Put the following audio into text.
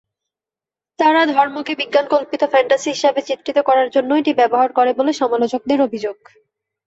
তারা ধর্মকে বিজ্ঞান-কল্পিত ফ্যান্টাসি হিসাবে চিত্রিত করার জন্য এটি ব্যবহার করে বলে সমালোচকদের অভিযোগ।